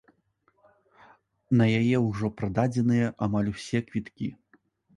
На яе ўжо прададзеныя амаль усе квіткі.